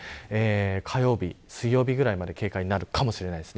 火曜日、水曜日ぐらいまで警戒になるかもしれません。